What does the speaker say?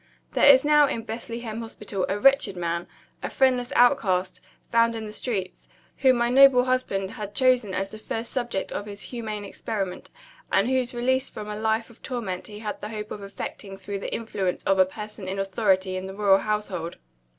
There is now in Bethlehem Hospital a wretched man a friendless outcast, found in the streets whom my noble husband had chosen as the first subject of his humane experiment, and whose release from a life of torment he had the hope of effecting through the influence of a person in authority in the Royal Household.